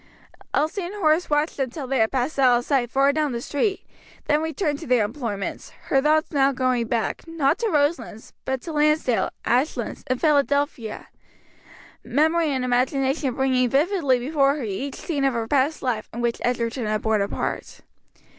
Elsie and Horace watched them till they had passed out of sight far down the street, then returned to their employments; her thoughts now going back, not to Roselands, but to Lansdale, Ashlands, and Philadelphia; memory and imagination bringing vividly before her each scene of her past life in which Egerton had borne a part.